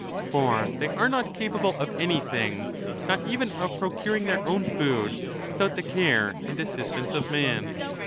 For they are not capa ble of anything, not even of procuring their own food, without the care and assistance of man.